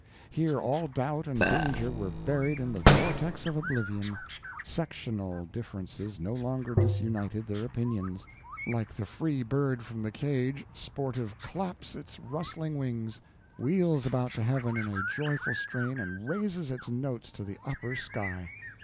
Here all doubt and danger were buried in the vortex of oblivion; sectional differences no longer disunited their opinions; like the freed bird from the cage, sportive claps its rustling wings, wheels about to heaven in a joyful strain, and raises its notes to the upper sky.